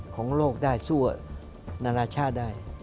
ของโลกได้สู้นานาชาติได้